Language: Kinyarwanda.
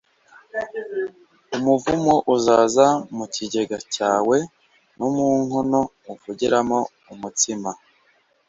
umuvumo uzaza mu kigega cyawe no mu nkono uvugiramo umutsima.